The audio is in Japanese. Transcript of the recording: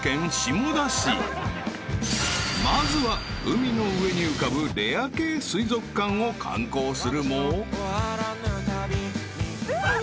［まずは海の上に浮かぶレア系水族館を観光するも］